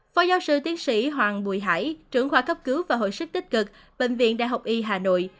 phó giáo sư tiến sĩ hoàng bùi hải trưởng khoa cấp cứu và hội sức tích cực bệnh viện đại học y hà nội